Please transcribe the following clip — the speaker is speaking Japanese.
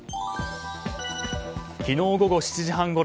昨日、午後７時半ごろ